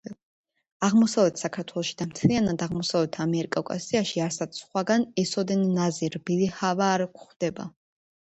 აღმოსავლეთ საქართველოში და მთლიანად აღმოსავლეთ ამიერკავკასიაში არსად სხვაგან ესოდენ ნაზი, რბილი ჰავა არ გვხვდება.